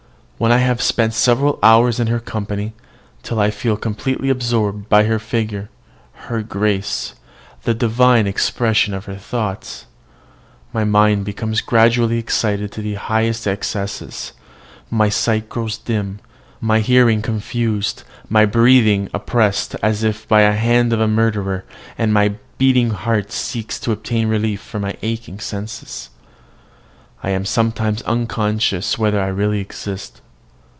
When I have spent several hours in her company, till I feel completely absorbed by her figure, her grace, the divine expression of her thoughts, my mind becomes gradually excited to the highest excess, my sight grows dim, my hearing confused, my breathing oppressed as if by the hand of a murderer, and my beating heart seeks to obtain relief for my aching senses. I am sometimes unconscious whether I really exist.